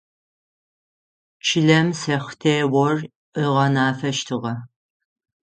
Чылэм сэхтеор ыгъэнафэщтыгъэ.